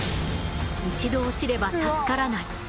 一度落ちれば助からない。